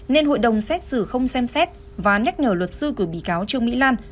nên hội đồng xét xử không xem xét và nhắc nhở luật sư của bị cáo trương mỹ lan